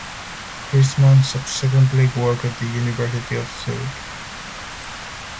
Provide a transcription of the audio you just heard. Christman subsequently worked at the University of Zurich.